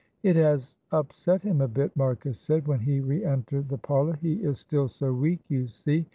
"It has upset him a bit," Marcus said, when he re entered the parlour, "he is still so weak, you see.